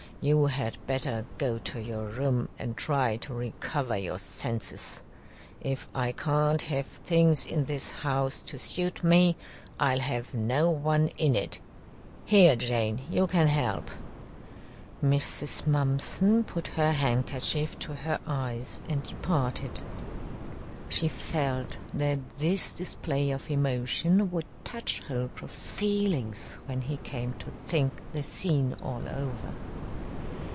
You had better go to your room and try to recover your senses. If I can't have things in this house to suit me, I'll have no one in it. Here, Jane, you can help." Mrs. Mumpson put her handkerchief to her eyes and departed. She felt that this display of emotion would touch Holcroft's feelings when he came to think the scene all over.